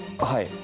はい。